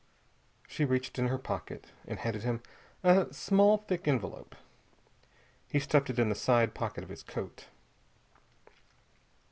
She reached in her pocket and handed him a small thick envelope. He stuffed it in the side pocket of his coat.